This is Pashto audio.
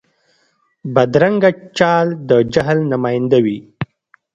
بدرنګه چال د جهل نماینده وي